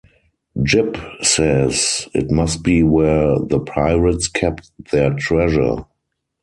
Jip says it must be where the pirates kept their treasure.